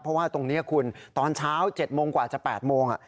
เพราะว่าตรงนี้คุณตอนเช้า๗โมงกว่าจะ๘โมง